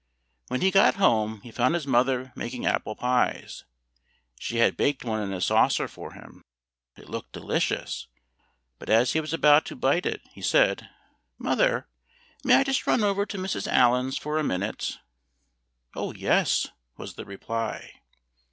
When he got home he found his mother making apple pies; she had baked one in a saucer for him. It looked delicious, but as he was about to bite it, he said, "Mother, may I just run over to Mrs. Allen's for a minute?" "Oh yes," was the reply.